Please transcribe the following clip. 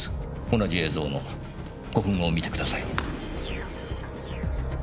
同じ映像の５分後を見てください。